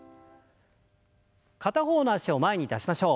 片方の脚を前に出しましょう。